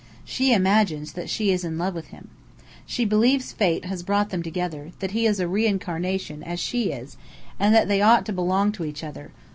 She imagines that she is in love with him. She believes Fate has brought them together that he is a "reincarnation," as she is, and that they ought to belong to each other.